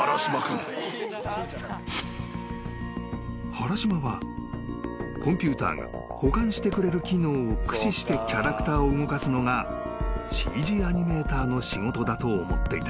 ［原島はコンピューターが補完してくれる機能を駆使してキャラクターを動かすのがＣＧアニメーターの仕事だと思っていた］